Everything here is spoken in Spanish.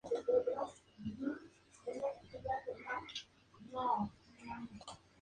Pertenece al partido judicial de Villarcayo.